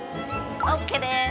オッケーです！